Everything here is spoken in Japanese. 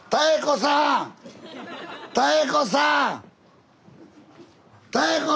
妙子さん！